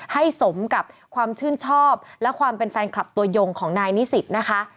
สมกับความชื่นชอบและความเป็นแฟนคลับตัวยงของนายนิสิตนะคะ